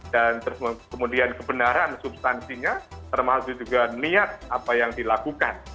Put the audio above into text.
dan kemudian kebenaran substansinya termasuk juga niat apa yang dilakukan